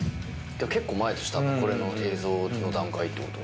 結構前でしょ多分これの映像の段階ってことは。